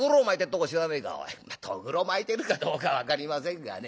「とぐろ巻いてるかどうか分かりませんがね。